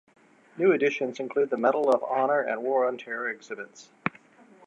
New additions include Medal of Honor and War on Terror exhibits.